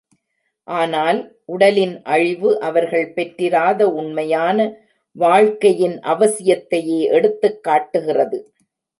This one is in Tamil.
ஆனால், உடலின் அழிவு அவர்கள் பெற்றிராத உண்மையான வாழ்க்கையின் அவசியத்தையே எடுத்துக் காட்டுகிறது.